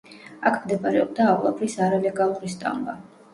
აქ მდებარეობდა ავლაბრის არალეგალური სტამბა.